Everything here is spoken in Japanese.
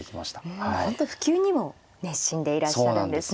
うん本当普及にも熱心でいらっしゃるんですね。